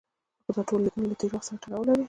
خو دا ټولې لیکنې له تېر وخت سره تړاو لري.